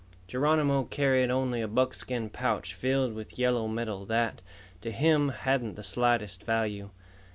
Geronimo carried only a buckskin pouch filled with yellow metal that, to him, hadn't the slightest value.